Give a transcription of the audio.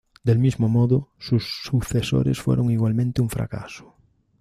Del mismo modo, sus sucesores fueron igualmente un fracaso.